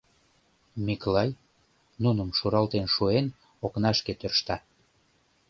Миклай, нуным шуралтен шуэн, окнашке тӧршта.